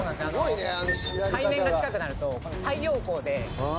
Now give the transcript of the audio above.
海面が近くなると太陽光で。